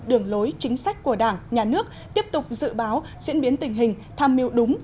đường lối chính sách của đảng nhà nước tiếp tục dự báo diễn biến tình hình tham miu đúng